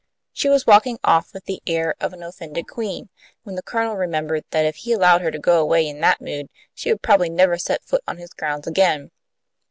She was walking off with the air of an offended queen, when the Colonel remembered that if he allowed her to go away in that mood she would probably never set foot on his grounds again.